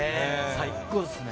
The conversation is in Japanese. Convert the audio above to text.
最高ですね。